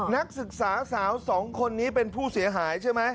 นักศึกษาสาวสองคนนี้เป็นผู้เสียหายใช่ไหม